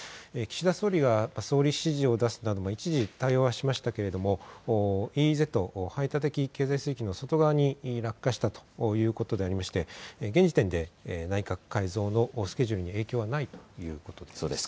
岸田総理が総理指示を出すなど一時対応しましたがＥＥＺ・排他的経済水域の外側に落下したということでありまして、現時点で内閣改造のスケジュールに影響はないということです。